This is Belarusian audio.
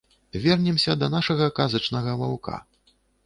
Вернемся да нашага казачнага ваўка.